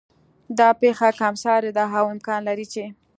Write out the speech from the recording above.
دا پېښه کم سارې ده او امکان لري چې